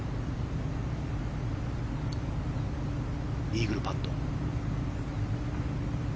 イーグルパット。